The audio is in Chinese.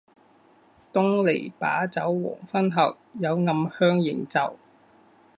东篱把酒黄昏后，有暗香盈袖